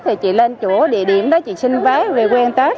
thì chị lên chỗ địa điểm đó chị xin vé về quê ăn tết